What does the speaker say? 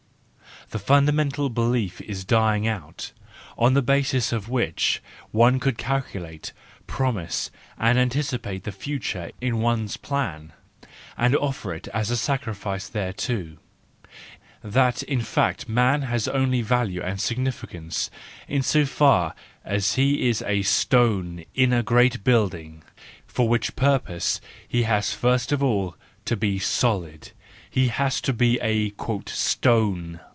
The fundamental belief is dying out, on the basis of which one could calculate, promise and anticipate the future in one's plan, and offer it as a sacrifice thereto, that in fact man has only value and significance in so far as he is a stone in a great building; for which purpose he has first of all to be solid, he has to be a " stone."